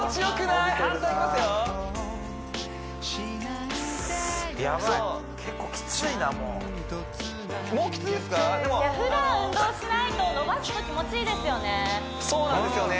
いやふだん運動しないと伸ばすと気持ちいいですよねそうなんですよね